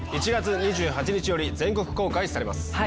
１月２８日より全国公開されます。